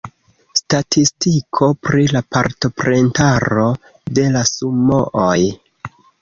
Statistiko pri la partoprentaro de la sumooj